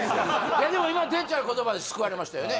いやでも今のてっちゃんの言葉で救われましたよね